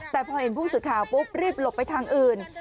แต่พอเห็นผู้สื่อข่าวปุ๊บรีบหลบไปทางอื่น